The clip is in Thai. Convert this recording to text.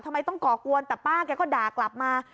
ทำไมต้องก่อกวนแต่ป้าแกก็ด่ากลับมา